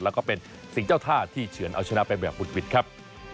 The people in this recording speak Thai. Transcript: แล้วก็เป็นสิ่งเจ้าท่าที่เฉือนเอาชนะไปแบบวุดหวิดครับ